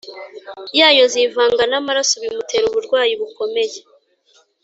yayo zivanga n’amaraso bimutera uburwayi bukomeye.”